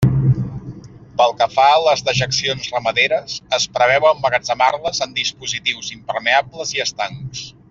Pel que fa a les dejeccions ramaderes, es preveu emmagatzemar-les en dispositius impermeables i estancs.